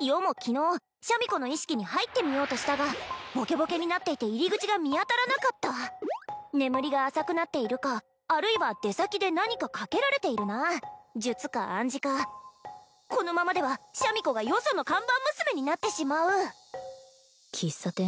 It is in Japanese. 余も昨日シャミ子の意識に入ってみようとしたがボケボケになっていて入り口が見当たらなかった眠りが浅くなっているかあるいは出先で何かかけられているな術か暗示かこのままではシャミ子がよその看板娘になってしまう喫茶店